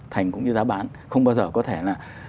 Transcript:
thành cũng như giá bán không bao giờ có thể là